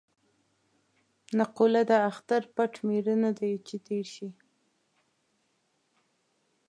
نقوله ده: اختر پټ مېړه نه دی چې تېر شي.